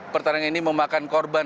pertandingan ini memakan korban